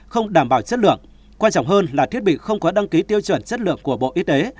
không đảm bảo chất lượng quan trọng hơn là thiết bị không có đăng ký tiêu chuẩn chất lượng của bộ y tế